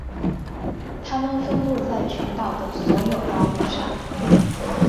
它们分布在群岛的所有岛屿上。